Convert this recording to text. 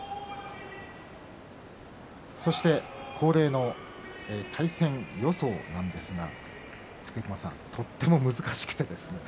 そして恒例の対戦予想なんですがとても難しくてですね